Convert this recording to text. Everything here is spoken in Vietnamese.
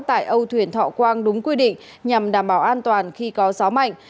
tại âu thuyền thọ quang đúng quy định nhằm đảm bảo an toàn khi có gió mạnh